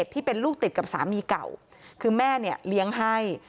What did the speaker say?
ที่เป็นลูกติดกับสามีเก่าคือแม่เนี่ยเลี้ยงให้